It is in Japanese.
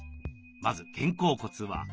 まず肩甲骨は。